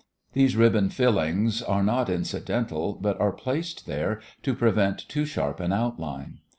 These ribband fillings are not incidental, but are placed there to prevent too sharp an outline.